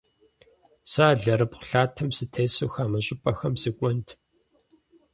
Сэ алэрыбгъу лъатэм сытесу хамэ щӏыпӏэхэм сыкӏуэнт.